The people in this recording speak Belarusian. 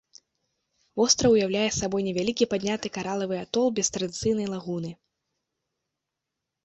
Востраў уяўляе сабою невялікі падняты каралавы атол без традыцыйнай лагуны.